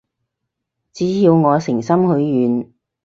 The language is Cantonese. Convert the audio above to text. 只要我誠心許願